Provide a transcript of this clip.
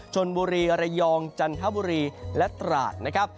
ชนบุรีระยองจันทบุรีและตราดนะครับ